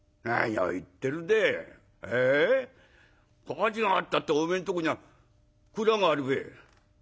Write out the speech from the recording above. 火事があったっておめえんとこには蔵があるべ」。